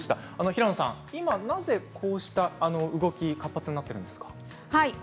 平野さん、今なぜこうした動きが活発になっているんですか？